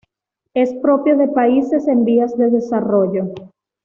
Es propio de países en vías de desarrollo.